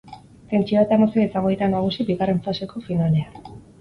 Tentsioa eta emozioa izango dira nagusi bigarren faseko finalean.